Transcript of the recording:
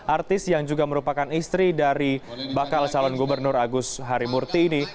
artis yang juga merupakan istri dari bakal calon gubernur agus harimurti ini